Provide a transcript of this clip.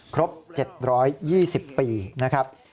ครบ๗๒๐ปีนะครับ